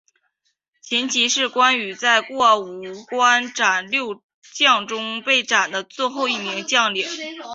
秦琪是关羽在过五关斩六将中被斩的最后一名将领。